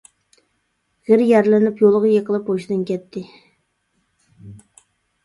غىر يارىلىنىپ يولغا يىقىلىپ ھوشىدىن كەتتى.